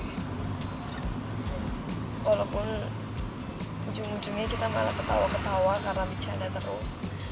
walaupun ujung ujungnya kita malah ketawa ketawa karena bicara terus